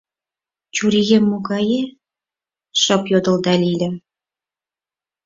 — Чурием могае? — шып йодылда Лиля.